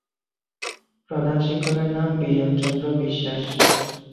প্রধান শিক্ষকের নাম বিজন চন্দ্র বিশ্বাস।